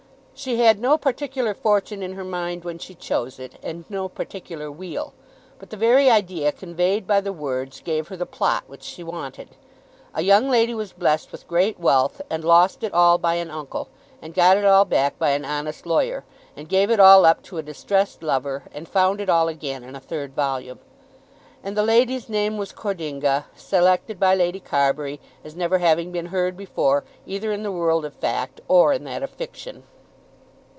She had no particular fortune in her mind when she chose it, and no particular wheel; but the very idea conveyed by the words gave her the plot which she wanted. A young lady was blessed with great wealth, and lost it all by an uncle, and got it all back by an honest lawyer, and gave it all up to a distressed lover, and found it all again in the third volume. And the lady's name was Cordinga, selected by Lady Carbury as never having been heard before either in the world of fact or in that of fiction.